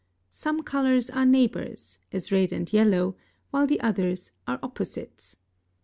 Some colors are neighbors, as red and yellow, while others are opposites.